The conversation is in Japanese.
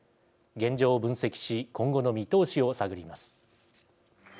現状を分析し今後の見通しを探ります。